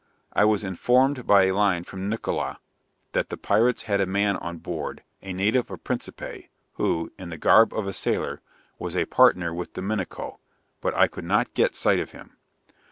I was informed by a line from Nickola, that the pirates had a man on board, a native of Principe, who, in the garb of a sailor, was a partner with Dominico, but I could not get sight of him.